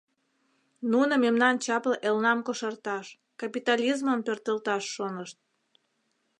Нуно мемнан чапле элнам кошарташ, капитализмым пӧртылташ шонышт.